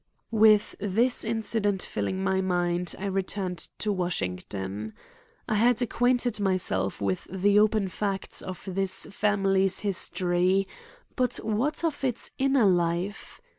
With this incident filling my mind, I returned to Washington. I had acquainted myself with the open facts of this family's history; but what of its inner life?